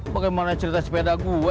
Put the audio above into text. bagaimana cerita sepeda gua